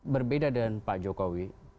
berbeda dari pak jokowi